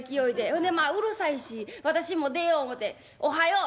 ほんでまあうるさいし私も出よう思て「おはよう」。